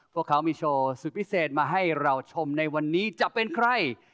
พวกเขามีโชว์สุดพิเศษมาให้เราชมในวันนี้จะเป็นใคร